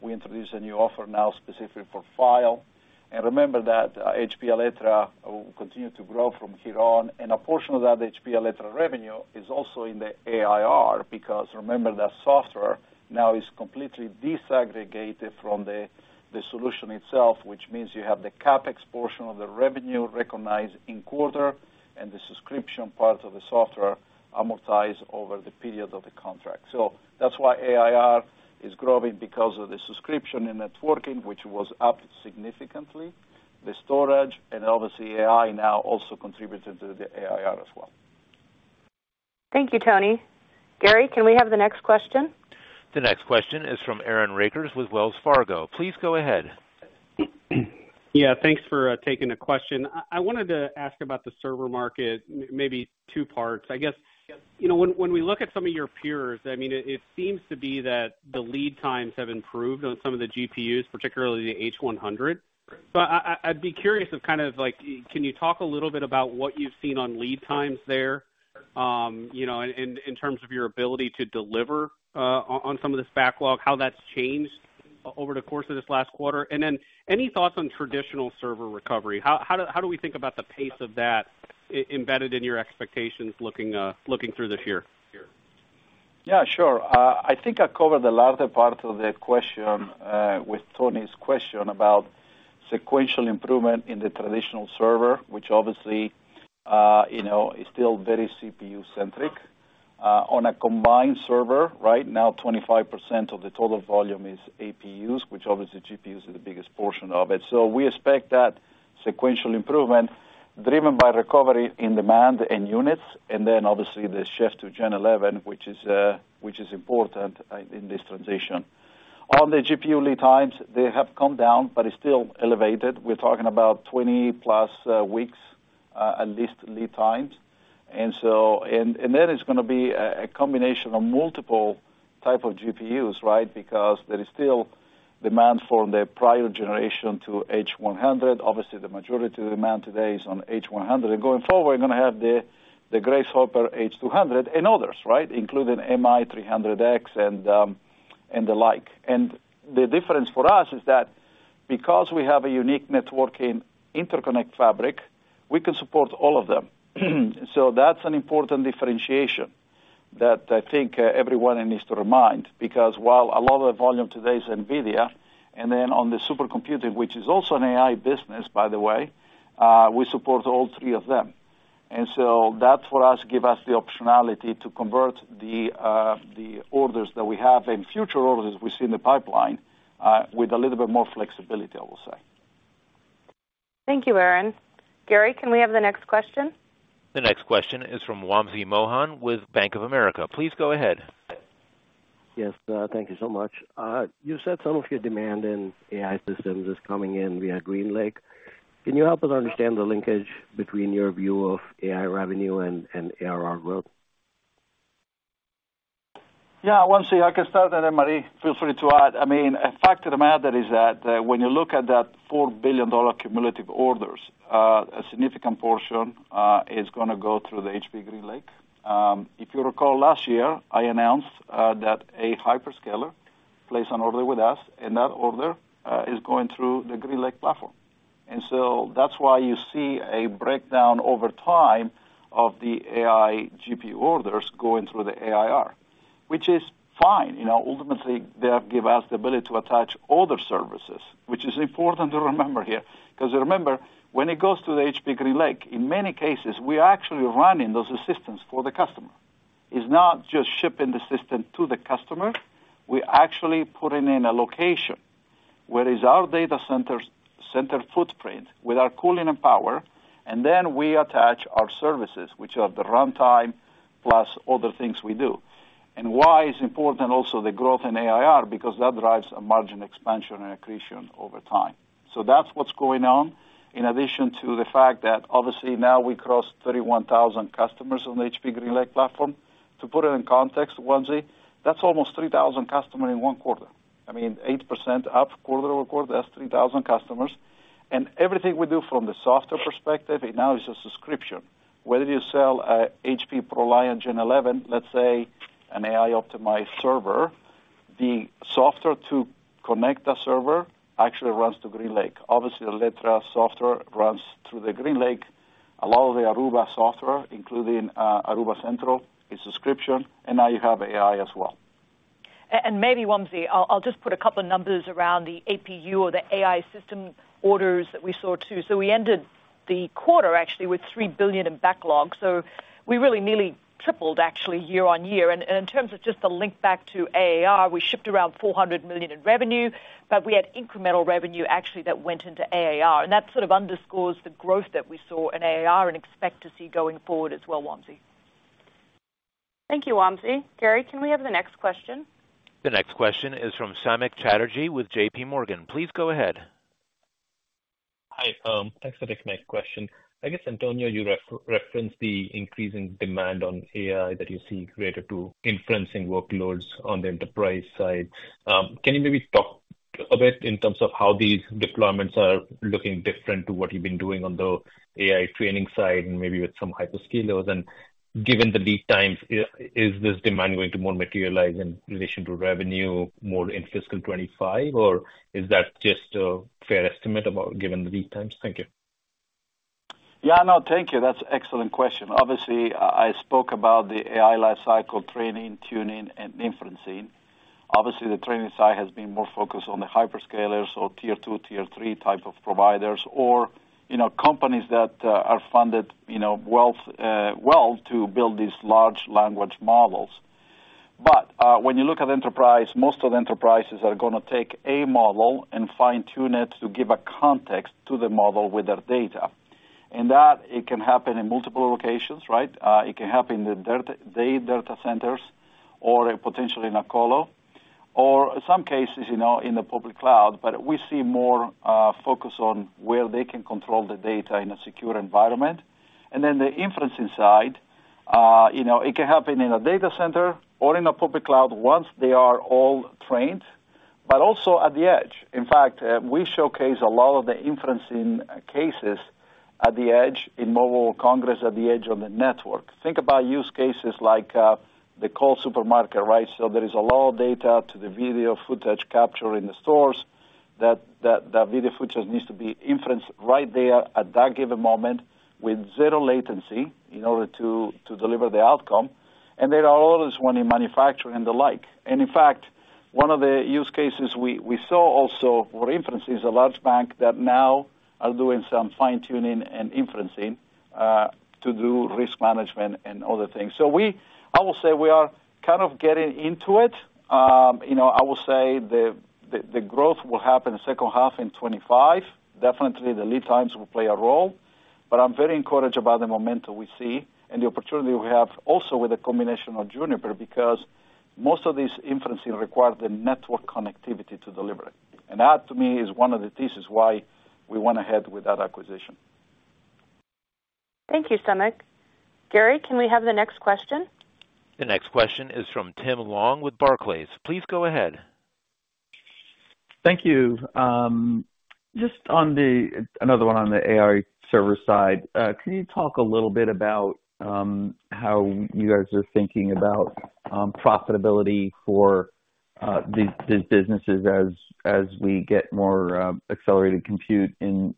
We introduced a new offer now specifically for file. And remember that HPE Alletra will continue to grow from here on. A portion of that HPE Alletra revenue is also in the ARR because remember that software now is completely disaggregated from the solution itself, which means you have the CapEx portion of the revenue recognized in quarter and the subscription part of the software amortized over the period of the contract. So that's why ARR is growing because of the subscription and networking, which was up significantly, the storage, and obviously, AI now also contributed to the ARR as well. Thank you, Toni. Gary, can we have the next question? The next question is from Aaron Rakers with Wells Fargo. Please go ahead. Yeah, thanks for taking the question. I wanted to ask about the server market, maybe two parts. I guess when we look at some of your peers, I mean, it seems to be that the lead times have improved on some of the GPUs, particularly the H100. So I'd be curious of kind of can you talk a little bit about what you've seen on lead times there in terms of your ability to deliver on some of this backlog, how that's changed over the course of this last quarter? And then any thoughts on traditional server recovery? How do we think about the pace of that embedded in your expectations looking through this year? Yeah, sure. I think I covered the larger part of the question with Toni's question about sequential improvement in the traditional server, which obviously is still very CPU-centric. On a combined server, right now, 25% of the total volume is HPCs, which obviously, GPUs are the biggest portion of it. So we expect that sequential improvement driven by recovery in demand and units, and then obviously, the shift to Gen11, which is important in this transition. On the GPU lead times, they have come down but are still elevated. We're talking about 20+ weeks at least lead times. And then it's going to be a combination of multiple types of GPUs, right, because there is still demand from the prior generation to H100. Obviously, the majority of the demand today is on H100. And going forward, we're going to have the Grace Hopper H200 and others, right, including MI300X and the like. And the difference for us is that because we have a unique networking interconnect fabric, we can support all of them. So that's an important differentiation that I think everyone needs to remind because while a lot of the volume today is NVIDIA, and then on the supercomputing, which is also an AI business, by the way, we support all three of them. And so that, for us, gives us the optionality to convert the orders that we have and future orders we see in the pipeline with a little bit more flexibility, I will say. Thank you, Aaron. Gary, can we have the next question? The next question is from Vamsi Mohan with Bank of America. Please go ahead. Yes, thank you so much. You said some of your demand in AI systems is coming in via GreenLake. Can you help us understand the linkage between your view of AI revenue and ARR growth? Yeah, Vamsi, I can start. And then, Marie, feel free to add. I mean, the fact of the matter is that when you look at that $4 billion cumulative orders, a significant portion is going to go through the HPE GreenLake. If you recall, last year, I announced that a hyperscaler placed an order with us, and that order is going through the GreenLake platform. And so that's why you see a breakdown over time of the AI GPU orders going through the ARR, which is fine. Ultimately, they give us the ability to attach other services, which is important to remember here because remember, when it goes to the HPE GreenLake, in many cases, we are actually running those systems for the customer. It's not just shipping the system to the customer. We're actually putting in a location where it's our data center footprint with our cooling and power, and then we attach our services, which are the runtime plus other things we do. And why is important also the growth in ARR? Because that drives a margin expansion and accretion over time. So that's what's going on in addition to the fact that, obviously, now we crossed 31,000 customers on the HPE GreenLake platform. To put it in context, Vamsi, that's almost 3,000 customers in one quarter. I mean, 8% up quarter-over-quarter. That's 3,000 customers. And everything we do from the software perspective, it now is a subscription. Whether you sell an HPE ProLiant Gen11, let's say, an AI-optimized server, the software to connect that server actually runs to GreenLake. Obviously, Alletra software runs through the GreenLake. A lot of the Aruba software, including Aruba Central, is subscription. And now you have AI as well. And maybe, Vamsi, I'll just put a couple of numbers around the HPC or the AI system orders that we saw too. So we ended the quarter, actually, with $3 billion in backlog. So we really nearly tripled, actually, year-on-year. And in terms of just the link back to ARR, we shipped around $400 million in revenue, but we had incremental revenue, actually, that went into ARR. And that sort of underscores the growth that we saw in ARR and expect to see going forward as well, Vamsi. Thank you, Vamsi. Gary, can we have the next question? The next question is from Samik Chatterjee with JPMorgan. Please go ahead. Hi, Tom. Thanks for taking my question. I guess, Antonio, you referenced the increasing demand on AI that you see greater to inferencing workloads on the enterprise side. Can you maybe talk a bit in terms of how these deployments are looking different to what you've been doing on the AI training side and maybe with some hyperscalers? And given the lead times, is this demand going to more materialize in relation to revenue, more in fiscal 2025, or is that just a fair estimate given the lead times? Thank you. Yeah, no, thank you. That's an excellent question. Obviously, I spoke about the AI lifecycle training, tuning, and inferencing. Obviously, the training side has been more focused on the hyperscalers or tier two, tier three type of providers or companies that are funded well to build these large language models. But when you look at enterprise, most of the enterprises are going to take a model and fine-tune it to give a context to the model with their data. And that can happen in multiple locations, right? It can happen in their data centers or potentially in a colo or, in some cases, in the public cloud. But we see more focus on where they can control the data in a secure environment. Then the inferencing side, it can happen in a data center or in a public cloud once they are all trained but also at the edge. In fact, we showcase a lot of the inferencing cases at the edge in Mobile World Congress at the edge on the network. Think about use cases like the Coles supermarket, right? So there is a lot of data to the video footage capture in the stores. That video footage needs to be inferenced right there at that given moment with zero latency in order to deliver the outcome. And there are others one in manufacturing and the like. And in fact, one of the use cases we saw also for inferencing is a large bank that now are doing some fine-tuning and inferencing to do risk management and other things. So I will say we are kind of getting into it. I will say the growth will happen in the second half in 2025. Definitely, the lead times will play a role. But I'm very encouraged about the momentum we see and the opportunity we have also with the combination of Juniper because most of this inferencing requires the network connectivity to deliver it. And that, to me, is one of the thesis why we went ahead with that acquisition. Thank you, Samik. Gary, can we have the next question? The next question is from Tim Long with Barclays. Please go ahead. Thank you. Just another one on the AI server side. Can you talk a little bit about how you guys are thinking about profitability for these businesses as we get more accelerated compute in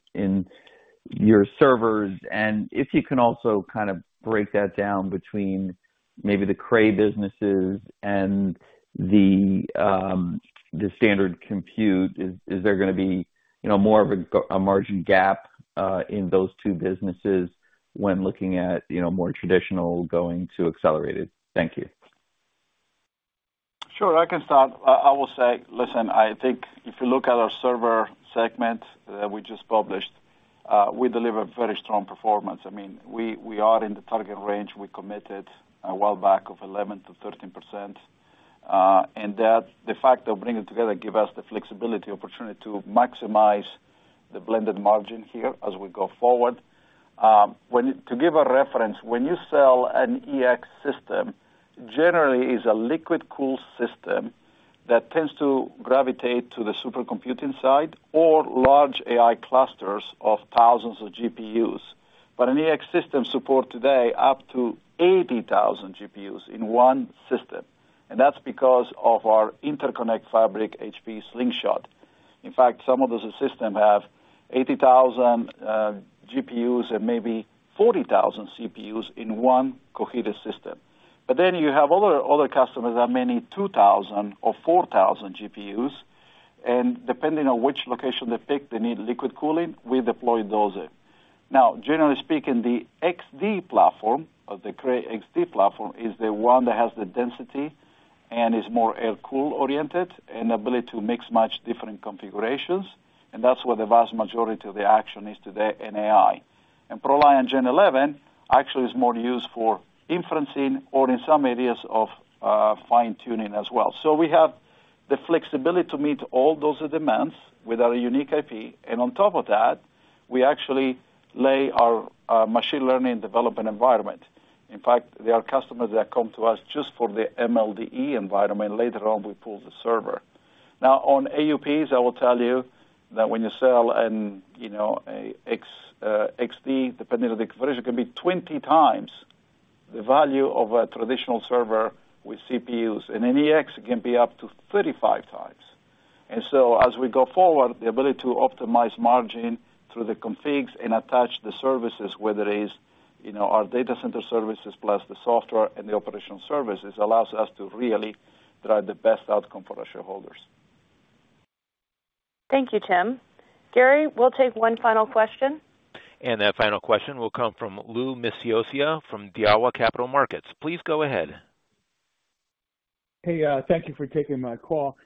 your servers? And if you can also kind of break that down between maybe the Cray businesses and the standard compute, is there going to be more of a margin gap in those two businesses when looking at more traditional going to accelerated? Thank you. Sure, I can start. I will say, listen, I think if you look at our server segment that we just published, we deliver very strong performance. I mean, we are in the target range. We committed well back of 11%-13%. And the fact of bringing it together gives us the flexibility opportunity to maximize the blended margin here as we go forward. To give a reference, when you sell an EX system, generally, it's a liquid-cooled system that tends to gravitate to the supercomputing side or large AI clusters of thousands of GPUs. But an EX system supports today up to 80,000 GPUs in one system. And that's because of our interconnect fabric, HPE Slingshot. In fact, some of those systems have 80,000 GPUs and maybe 40,000 CPUs in one cohesive system. But then you have other customers that may need 2,000 or 4,000 GPUs. And depending on which location they pick, they need liquid cooling. We deploy those in. Now, generally speaking, the XD platform, the Cray XD platform, is the one that has the density and is more air-cooled oriented and ability to mix much different configurations. And that's where the vast majority of the action is today in AI. ProLiant Gen11 actually is more used for inferencing or in some areas of fine-tuning as well. We have the flexibility to meet all those demands with our unique IP. On top of that, we actually lay our Machine Learning Development Environment. In fact, there are customers that come to us just for the MLDE environment. Later on, we pull the server. Now, on HPCs, I will tell you that when you sell an XD, depending on the conversion, it can be 20 times the value of a traditional server with CPUs. An EX, it can be up to 35 times. As we go forward, the ability to optimize margin through the configs and attach the services, whether it is our data center services plus the software and the operational services, allows us to really drive the best outcome for our shareholders. Thank you, Tim. Gary, we'll take one final question. That final question will come from Lou Miscioscia from Daiwa Capital Markets. Please go ahead. Hey, thank you for taking my call.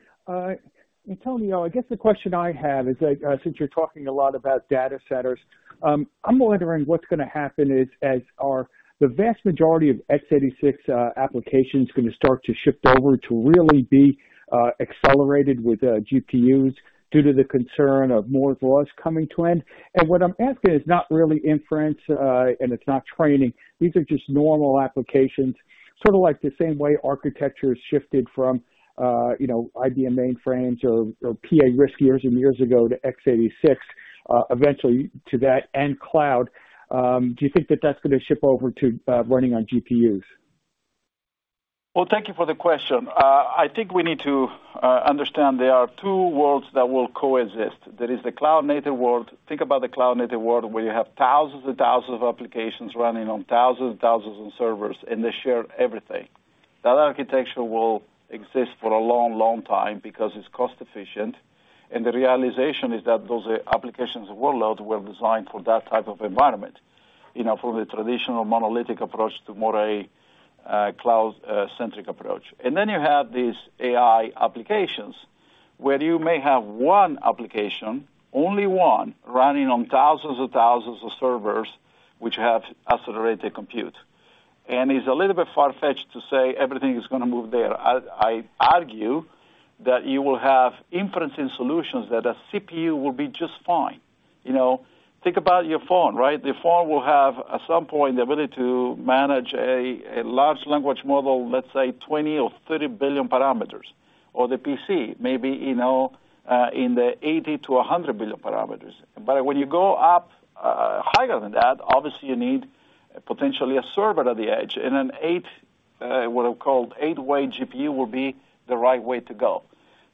Antonio, I guess the question I have is that since you're talking a lot about data centers, I'm wondering what's going to happen as the vast majority of x86 applications are going to start to shift over to really be accelerated with GPUs due to the concern of Moore's Law coming to an end. And what I'm asking is not really inference, and it's not training. These are just normal applications, sort of like the same way architecture has shifted from IBM mainframes or PA-RISC years and years ago to x86, eventually to that, and cloud. Do you think that that's going to shift over to running on GPUs? Well, thank you for the question. I think we need to understand there are two worlds that will coexist. There is the cloud-native world. Think about the cloud-native world where you have thousands and thousands of applications running on thousands and thousands of servers, and they share everything. That architecture will exist for a long, long time because it's cost-efficient. The realization is that those applications and workloads were designed for that type of environment, from the traditional monolithic approach to more a cloud-centric approach. Then you have these AI applications where you may have one application, only one, running on thousands and thousands of servers which have accelerated compute. It's a little bit far-fetched to say everything is going to move there. I argue that you will have inferencing solutions that a CPU will be just fine. Think about your phone, right? Your phone will have, at some point, the ability to manage a large language model, let's say, 20 or 30 billion parameters or the PC, maybe in the 80-100 billion parameters. But when you go up higher than that, obviously, you need potentially a server at the edge. And what I've called 8-way GPU will be the right way to go.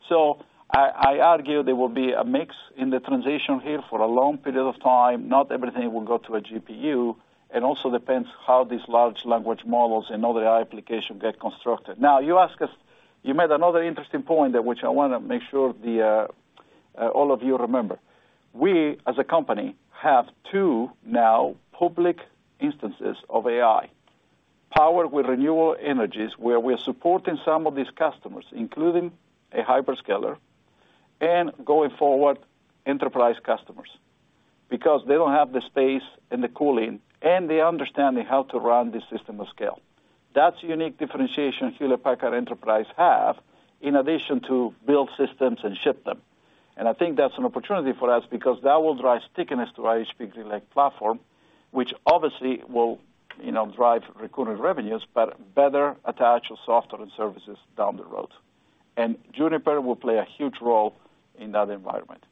So I argue there will be a mix in the transition here for a long period of time. Not everything will go to a GPU. And also depends how these large language models and other AI applications get constructed. Now, you asked us you made another interesting point which I want to make sure all of you remember. We, as a company, have two now public instances of AI powered with renewable energies where we are supporting some of these customers, including a hyperscaler, and going forward, enterprise customers because they don't have the space and the cooling and they understand how to run this system at scale. That's a unique differentiation Hewlett Packard Enterprise has in addition to build systems and ship them. And I think that's an opportunity for us because that will drive stickiness to our HPE GreenLake platform, which obviously will drive recurring revenues but better attach software and services down the road. And Juniper will play a huge role in that environment.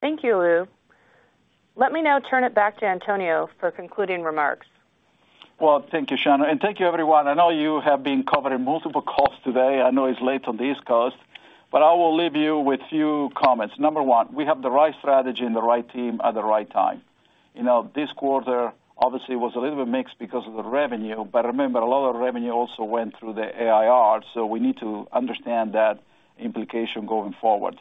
Thank you, Lou. Let me now turn it back to Antonio for concluding remarks. Well, thank you, Shannon. And thank you, everyone. I know you have been covering multiple calls today. I know it's late on the East Coast. But I will leave you with a few comments. Number one, we have the right strategy and the right team at the right time. This quarter, obviously, was a little bit mixed because of the revenue. But remember, a lot of revenue also went through the ARR. So we need to understand that implication going forward.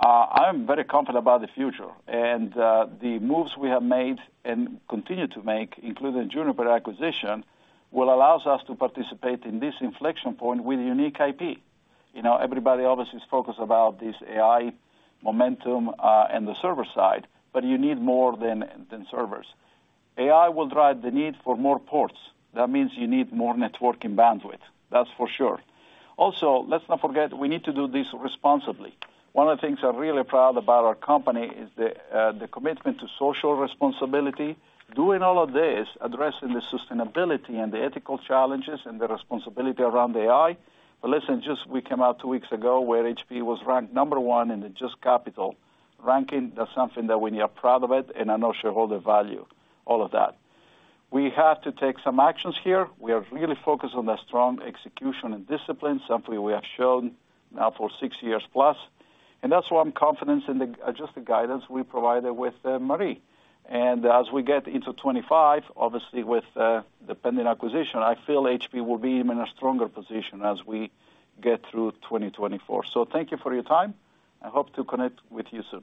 I am very confident about the future. And the moves we have made and continue to make, including Juniper acquisition, will allow us to participate in this inflection point with a unique IP. Everybody, obviously, is focused about this AI momentum and the server side. But you need more than servers. AI will drive the need for more ports. That means you need more networking bandwidth. That's for sure. Also, let's not forget, we need to do this responsibly. One of the things I'm really proud about our company is the commitment to social responsibility, doing all of this, addressing the sustainability and the ethical challenges and the responsibility around AI. But listen, just we came out two weeks ago where HPE was ranked number one in the JUST Capital ranking. That's something that we are proud of it. And I know shareholders value all of that. We have to take some actions here. We are really focused on a strong execution and discipline, something we have shown now for six years plus. And that's why I'm confident in just the guidance we provided with Marie. And as we get into 2025, obviously, with the pending acquisition, I feel HPE will be in a stronger position as we get through 2024. So thank you for your time. I hope to connect with you soon.